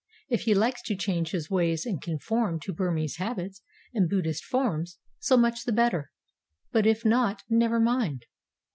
If he likes to change his ways and conform to Burmese habits and Buddhist forms, so much the better; but if not, never mind.